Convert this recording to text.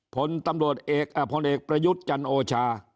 พลตำรวจเอกประยุทธ์จันทร์โอชา